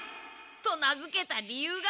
と名づけた理由が。